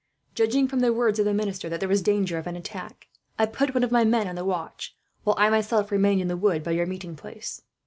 "Judging, from the words of the minister, that there was danger of an attack, I put one of my men on the watch; while I myself remained in the wood by your meeting place.